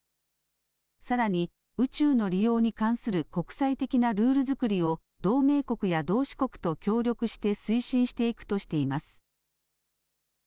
さらに、宇宙の利用に関する国際的なルール作りを、同盟国や同志国と協力して推進していくとしています。